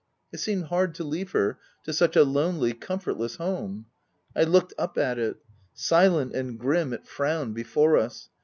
It seemed hard to leave her to such a lonely, comfortless home. I looked up at it. Silent and grim it frowned before us.